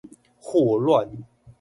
霍亂